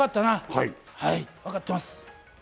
はい、わかってます。